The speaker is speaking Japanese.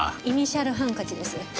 イニシャルハンカチです。